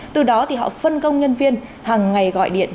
từ đó thì họ phân công nhân viên hàng ngày gọi điện